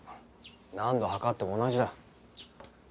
何度測っても同じだ。